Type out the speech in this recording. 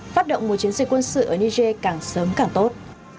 phát động một chiến dịch quân sự ở niger càng sớm càng tốt